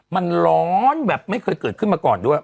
มันร้อนแบบไม่เคยเกิดขึ้นมาก่อนด้วย